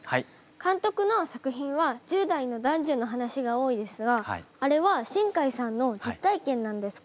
監督の作品は１０代の男女の話が多いですがあれは新海さんの実体験なんですか？